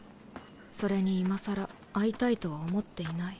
それに今更会いたいとは思っていない。